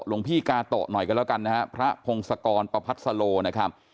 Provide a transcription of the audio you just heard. ลงพี่กาโตหน่อยกันแล้วกันนะครับพระพงศกรปภัษโลนะครับ